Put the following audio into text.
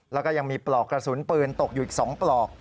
แล้วก็ยังมีปลอกกระสุนปืนตกอยู่อีก๒ปลอก